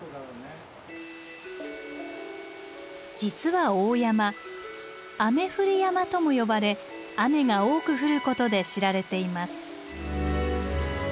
実は大山「雨降り山」とも呼ばれ雨が多く降ることで知られています。